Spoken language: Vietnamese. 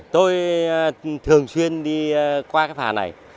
tôi thường xuyên đi qua cái phà này